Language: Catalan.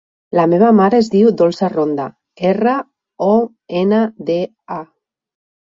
La meva mare es diu Dolça Ronda: erra, o, ena, de, a.